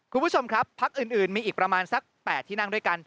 คุณผู้ชมครับพักอื่นมีอีกประมาณสัก๘ที่นั่งด้วยกัน